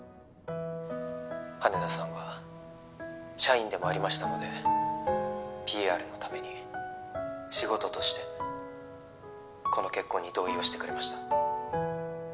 羽田さんは社員でもありましたのでＰＲのために仕事としてこの結婚に同意をしてくれました